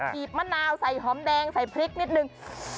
บมะนาวใส่หอมแดงใส่พริกนิดนึง